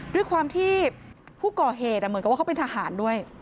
ด้วยความที่ผู้ก่อเหตุเหมือนกับว่าเขาเป็นทหารด้วย